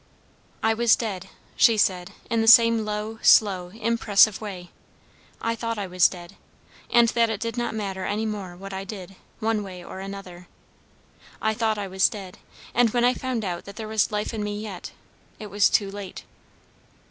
"I was dead," she said in the same low, slow, impressive way. "I thought I was dead, and that it did not matter any more what I did, one way or another. I thought I was dead; and when I found out that there was life in me yet, it was too late."